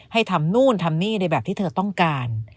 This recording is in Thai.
ทำนู่นทำนี่ในแบบที่เธอต้องการ